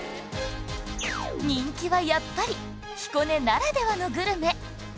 人気はやっぱり彦根ならではのグルメ